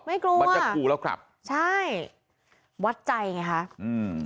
ไม่กลัวมันจะคู่แล้วกลับใช่วัดใจไงคะอืม